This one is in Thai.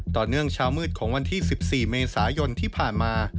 ต่อเนื่องเช้ามืดของวันที่๑๔เมษายนที่ผ่านมา